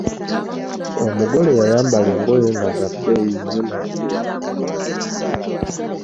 Omugole yayambala engoye nga za bbeeyi nnyo naye teyanyuma.